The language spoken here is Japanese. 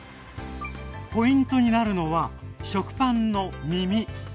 ポイントになるのは食パンのみみ。